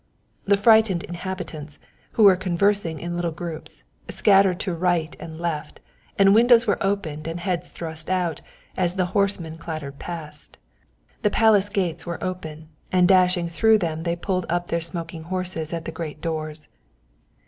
The frightened inhabitants, who were conversing in little groups, scattered to right and left, and windows were opened and heads thrust out as the horsemen clattered past. The Palace gates were open, and dashing through them they pulled up their smoking horses at the great doors.